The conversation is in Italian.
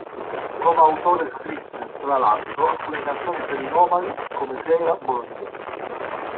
Come autore scrisse, tra l'altro, alcune canzoni per I Nomadi, come "Sera bolognese".